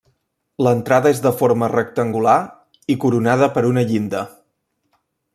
L'entrada és de forma rectangular i coronada per una llinda.